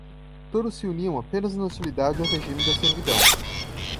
Todos se uniam apenas na hostilidade ao regime da servidão